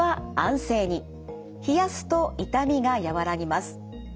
冷やすと痛みが和らぎます。